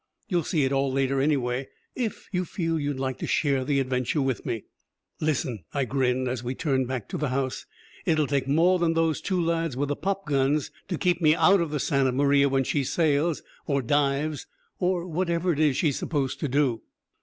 You'll see it all later, anyway if you feel you'd like to share the adventure with me?" "Listen," I grinned as we turned back towards the house, "it'll take more than those two lads with the pop guns to keep me out of the Santa Maria when she sails or dives, or whatever it is she's supposed to do!"